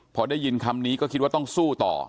พอได้ยินคำนี้ก็คิดว่าต้องสู้ต่อ